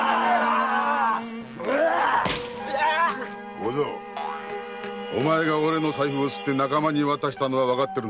小僧お前が俺の財布をすって仲間に渡したのはわかっている。